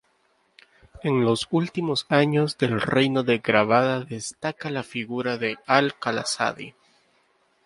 En los últimos años del reino de Grabada destaca la figura de Al-Qalasadi.